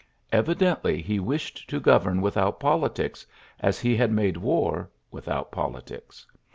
Evidently, he • wished to govern without politics, as he , had made war without politics.